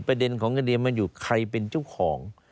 ประเด็นของคดีมันอยู่ใครเป็นเจ้าของ